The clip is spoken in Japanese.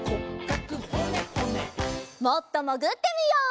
もっともぐってみよう！